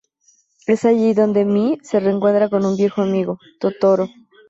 Es allí donde Mei se reencuentra con un viejo amigo, Totoro.